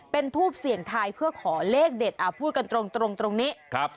เป็นทูปเสี่ยงไทยเพื่อขอเลขเด็ดพูดกันตรงตรงนี้